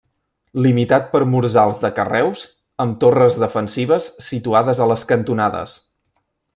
Limitat per murs alts de carreus, amb torres defensives situades a les cantonades.